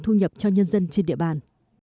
thu nhập cho nhân dân trên địa bàn